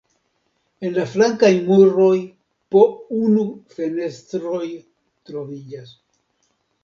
En la flankaj muroj po unu fenestroj troviĝas.